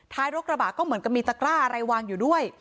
รกระบะก็เหมือนกับมีตะกร้าอะไรวางอยู่ด้วย